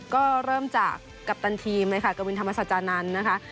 ก็เริ่มจากกัปตันทีมกวินธรรมสัจจานันต์